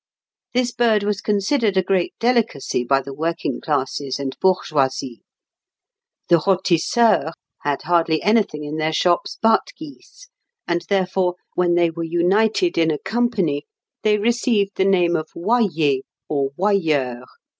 This bird was considered a great delicacy by the working classes and bourgeoisie. The rôtisseurs (Fig. 94) had hardly anything in their shops but geese, and, therefore, when they were united in a company, they received the name of oyers, or oyeurs.